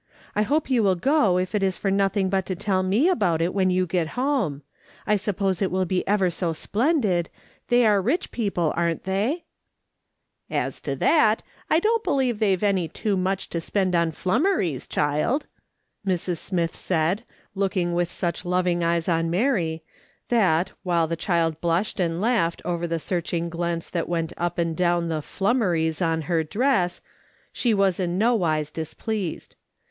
I hope you will go if it is for nothing ]3ut to tell me about it when you get home. I sup pose it will be ever so splendid ; they are rich people, aren't they ?"" As to that, I don't believe they've any too much to spend on liummeries, child," Mrs. Smith said, looking with such loving eyes on Mary, that, while the child blushed and laughed over the searchinij 4S MRS. SOLOMON SMITH LOOk'IMG ON. glance that went up and down the " tlunimeiies" on her dress, she was in no wise displeased.